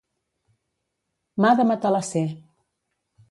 Mà de matalasser.